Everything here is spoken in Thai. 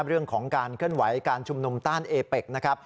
เรื่องของการเคลื่อนไหวการชุมนุมต้านเอเป็กนะครับ